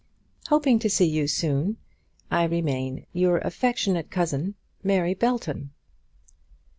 Hoping to see you soon, I remain Your affectionate Cousin, MARY BELTON.